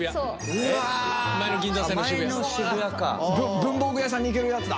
文房具屋さんに行けるやつだ。